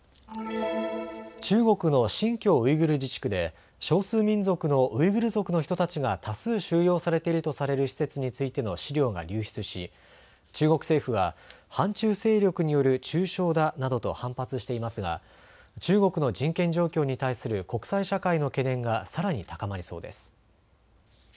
中国の新疆ウイグル自治区で少数民族のウイグル族の人たちが多数収容されているとされる施設についての資料が流出し中国政府は反中勢力による中傷だなどと反発していますが中国の人権状況に対する国際社会の懸念がさらに高まりそうです。